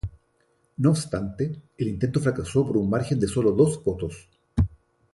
No obstante, el intento fracasó por un margen de sólo dos votos.